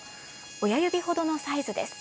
親指ほどのサイズです。